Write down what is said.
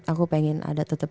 aku pengen ada tetep